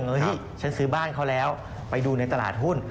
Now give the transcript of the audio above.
เฮ้ยฉันซื้อบ้านเขาแล้วไปดูในตลาดหุ้น